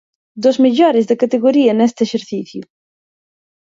Dos mellores da categoría neste exercicio.